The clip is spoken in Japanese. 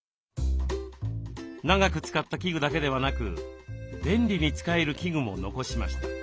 長く使った器具だけではなく便利に使える器具も残しました。